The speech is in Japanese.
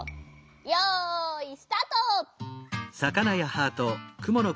よいスタート！